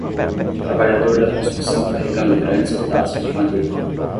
Trabalhador da Construção carregando grandes pedaços de madeira